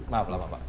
maaf lah bapak